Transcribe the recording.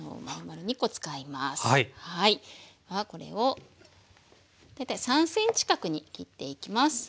これを大体３ｃｍ角に切っていきます。